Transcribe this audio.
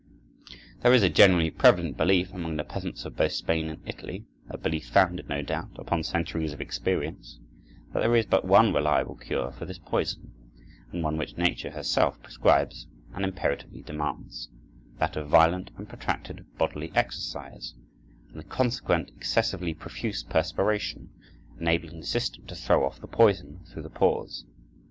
There is a generally prevalent belief among the peasants of both Spain and Italy, a belief founded, no doubt, upon centuries of experience, that there is but one reliable cure for this poison, and one which Nature herself prescribes and imperatively demands—that of violent and protracted bodily exercise, and the consequent excessively profuse perspiration, enabling the system to throw off the poison through the pores.